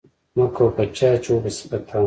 مکوه په چا چی وبه شی په تا